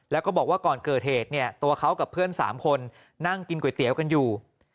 แล้วก็บอกว่าก่อนเกิดเหตุเนี่ยตัวเขากับเพื่อน๓คนนั่งกินก๋วยเตี๋ยวกันอยู่